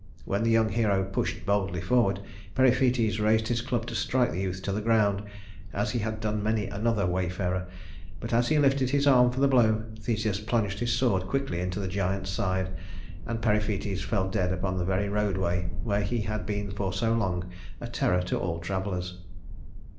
When the young hero pushed boldly forward, Periphetes raised his club to strike the youth to the ground, as he had done many another wayfarer; but as he lifted his arm for the blow, Theseus plunged his sword quickly into the giant's side, and Periphetes fell dead upon the very roadway where he had been for so long a terror to all travelers.